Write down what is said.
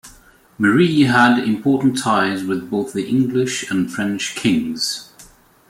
Marie had important ties with both the English and French kings.